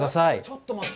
ちょっと待って。